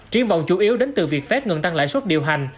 triến vọng chủ yếu đến từ việc phép ngừng tăng lãi suất điều hành